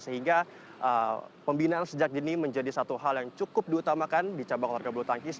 sehingga pembinaan sejak dini menjadi satu hal yang cukup diutamakan di cabang olahraga bulu tangkis